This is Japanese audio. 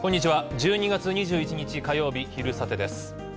１２月２１日火曜日、「昼サテ」です。